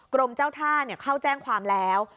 กรมเจ้าท่าเข้าแจ้งความแล้ว